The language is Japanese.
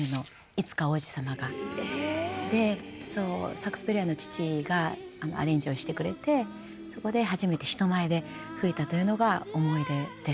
サックスプレーヤーの父がアレンジをしてくれてそこで初めて人前で吹いたというのが思い出です。